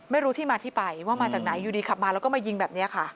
ไม่รู้ที่มาที่ไปว่ามาจากไหนอยู่ดีขับมาแล้วก็มายิงแบบนี้ค่ะ